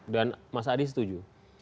dan mas adi setuju